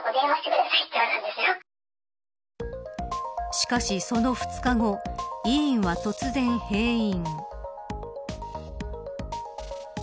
しかし、その２日後医院は突然閉院。